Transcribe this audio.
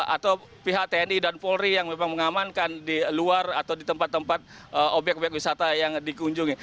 atau pihak tni dan polri yang memang mengamankan di luar atau di tempat tempat obyek obyek wisata yang dikunjungi